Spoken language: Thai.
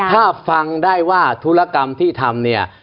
ถ้าฟังได้ว่าธุรกรรมที่ทำเนี่ย